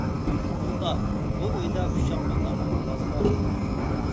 -توختا، بۇ ئۆيدە ئۇششاق بالىلارنىڭ ئاۋازى بار!